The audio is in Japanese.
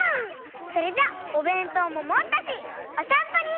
それじゃおべんとうももったしおさんぽに。